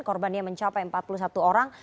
korbannya mencapai empat puluh satu orang